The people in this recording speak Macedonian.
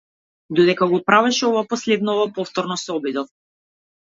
Додека го правеше ова последново, повторно се обидов.